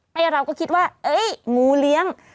แล้วเราก็คิดว่าเอ๊ะงูเลี้ยง